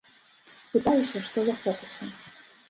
Пытаюся, што за фокусы.